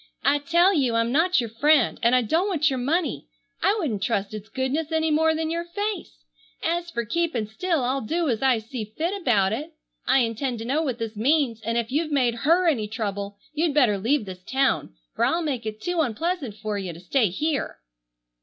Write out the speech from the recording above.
"I tell you I'm not your friend, and I don't want your money. I wouldn't trust its goodness any more than your face. As fer keepin' still I'll do as I see fit about it. I intend to know what this means, and if you've made her any trouble you'd better leave this town, for I'll make it too unpleasant fer you to stay here!"